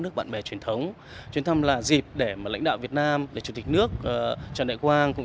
nước bạn bè truyền thống chuyến thăm là dịp để lãnh đạo việt nam để chủ tịch nước trần đại quang cũng